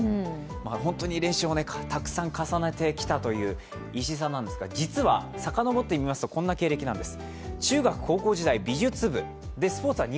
本当に練習をたくさん重ねてきたという石井さんなんですが実はさかのぼってみますとこんな経歴なんです。